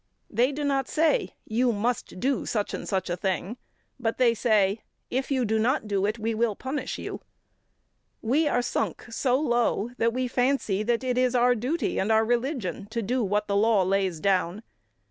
They do not say: "You must do such and such a thing," but they say: "If you do not do it, we will punish you." We are sunk so low, that we fancy that it is our duty and our religion to do what the law lays down.